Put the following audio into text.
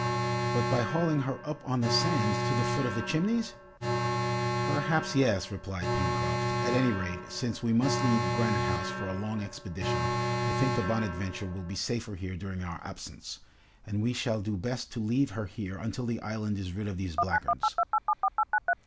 "But by hauling her up on the sand, to the foot of the Chimneys?" "Perhaps yes," replied Pencroft. "At any rate, since we must leave Granite House for a long expedition, I think the 'Bonadventure' will be safer here during our absence, and we shall do best to leave her here until the island is rid of these blackguards."